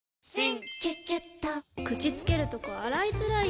口つけるとこ洗いづらい！